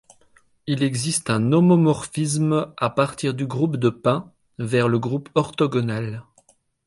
Il existe un homomorphisme à partir du groupe de Pin vers le groupe orthogonal.